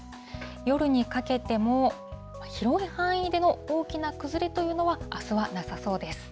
夜にかけても、広い範囲での大きな崩れというのはあすはなさそうです。